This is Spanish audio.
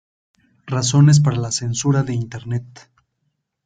Razones para la censura de Internet.